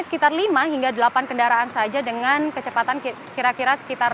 sekitar lima hingga delapan kendaraan saja dengan kecepatan kira kira sekitar